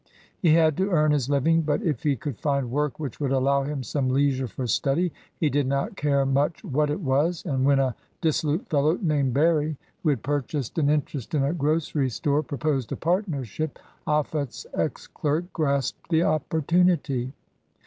He had to earn his living, but if he could find work which would allow him some leisure for study, he did not care much what it was and when a dissolute fellow named Berry, who had purchased an interest in a grocery store, proposed a partnership, Offutt's ex clerk grasped the opportunity.